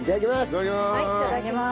いただきます！